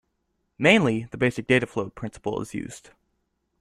Mainly, the basic dataflow principle is used.